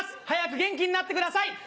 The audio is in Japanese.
早く元気になってください！